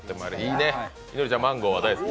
いのりちゃん、マンゴー大好き？